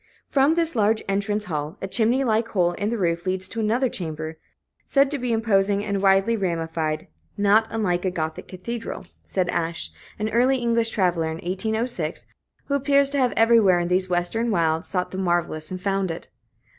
[B] From this large entrance hall, a chimney like hole in the roof leads to other chambers, said to be imposing and widely ramified "not unlike a Gothic cathedral," said Ashe, an early English traveler (1806), who appears to have everywhere in these Western wilds sought the marvellous, and found it.